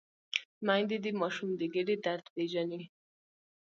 میندې د ماشوم د ګیډې درد پېژني۔